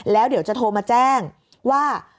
แล้วเดี๋ยวจะโทรมาแจ้งว่า